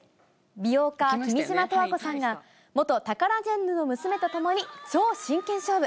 美容家、君島十和子さんが元タカラジェンヌの娘と共に、超真剣勝負。